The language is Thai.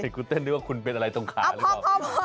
คุณเต้นนึกว่าคุณเป็นอะไรตรงขาหรือเปล่า